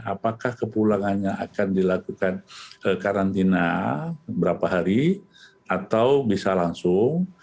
apakah kepulangannya akan dilakukan karantina berapa hari atau bisa langsung